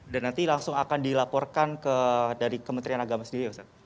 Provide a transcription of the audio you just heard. dan nanti langsung akan dilaporkan ke dari kementerian agama sendiri ya ustadz